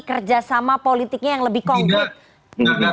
kerjasama politiknya yang lebih konkret